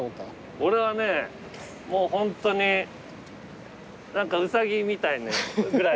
俺はねもうホントに何かウサギみたいなぐらい。